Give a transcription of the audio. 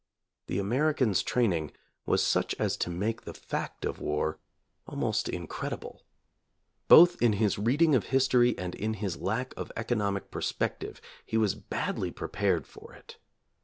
The American's training was such as to make the fact of war almost incredible. Both in his reading of history and in his lack of economic perspective he was badly prepared for it.